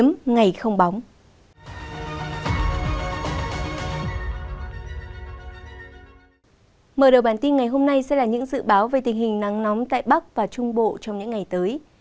mở đầu bản tin ngày hôm nay sẽ là những dự báo về tình hình nắng nóng tại bắc và trung bộ trong những ngày tới